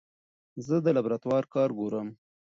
زه د لابراتوار کار ګورم.